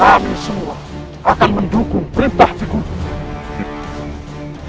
kami semua akan mendukung perintah di gunung